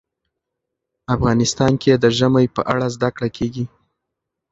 افغانستان کې د ژمی په اړه زده کړه کېږي.